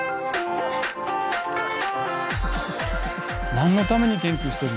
何のために研究しているんだ。